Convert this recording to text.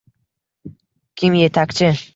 Kim yetakchi?